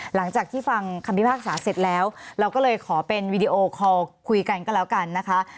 หลังจากที่ฟังคำพิพากษาเสร็จแล้วเราก็เลยขอเป็นวีดีโอคอลคุยกันก็แล้วกันนะคะ